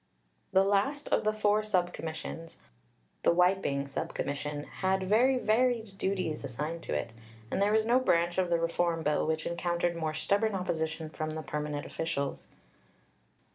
The last of the four Sub Commissions the "wiping" Sub Commission had very varied duties assigned to it, and there was no branch of the reform bill which encountered more stubborn opposition from the permanent officials.